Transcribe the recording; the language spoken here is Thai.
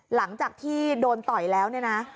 หลังจากที่โดนต่อยแล้ว